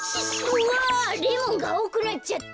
うわレモンがあおくなっちゃった。